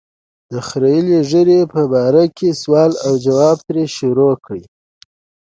د خرییلې ږیرې په باره کې سوال او ځواب ترې شروع کړ.